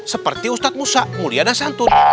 seperti ustadz musa mulia dan santun